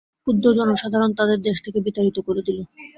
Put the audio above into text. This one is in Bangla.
ক্রুদ্ধ জনসাধারণ তাদের দেশ থেকে বিতাড়িত করে দিল।